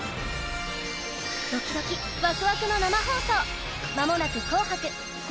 ドキドキ、ワクワクの生放送！